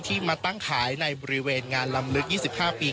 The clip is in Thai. มาตั้งขายในบริเวณงานลำลึก๒๕ปี